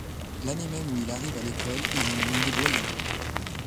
L'année même où il arrive à l'école, il en est nommé doyen.